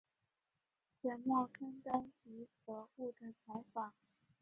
卷末刊登吉泽务的采访。